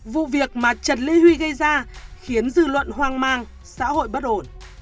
vụ việc mà trần lê huy gây ra khiến dư luận hoang mang xã hội bất ổn